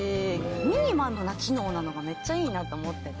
ミニマムな機能なのがめっちゃいいなと思ってて。